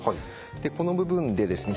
この部分でですね